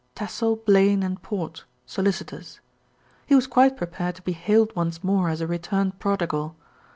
TASSELL, ELAINE & PORT. SOLICITORS. he was quite prepared to be hailed once more as a re turned prodigal.